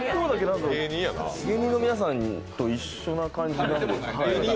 芸人の皆さんと一緒な感じなんです。